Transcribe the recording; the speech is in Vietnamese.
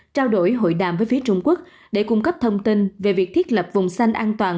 trao đổi hội đàm với phía trung quốc để cung cấp thông tin về việc thiết lập vùng xanh an toàn